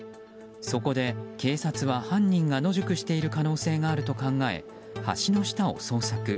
そこで警察は、犯人が野宿している可能性があると考え橋の下を捜索。